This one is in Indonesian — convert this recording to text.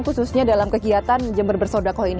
khususnya dalam kegiatan jember bersoda ko ini